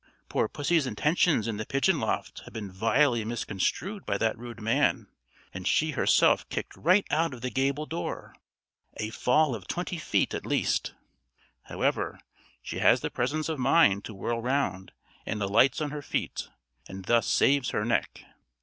Poor pussy's intentions in the pigeon loft have been vilely misconstrued by that rude man, and she herself kicked right out of the gable door a fall of twenty feet at least; however, she has the presence of mind to whirl round, and alights on her feet, and thus saves her neck.